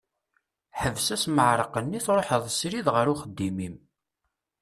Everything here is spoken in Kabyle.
Ḥbes asmeɛreq-nni, truḥeḍ srid ɣer uxeddim-im.